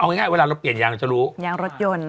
เอาง่ายเวลาเราเปลี่ยนยางเราจะรู้ยางรถยนต์